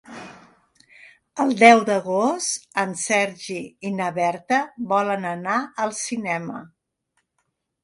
El deu d'agost en Sergi i na Berta volen anar al cinema.